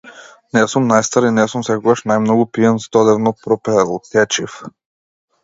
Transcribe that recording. Не сум најстар и не сум секогаш најмногу пијан, здодевно пропелтечив.